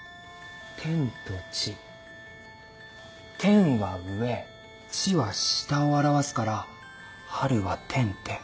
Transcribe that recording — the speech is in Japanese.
「天」と「地」「天」は上「地」は下を表すから春は「天・天」